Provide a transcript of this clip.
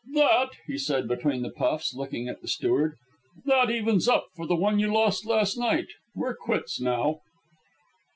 "That," he said between the puffs, looking at the steward, "that evens up for the one you lost last night. We're quits now."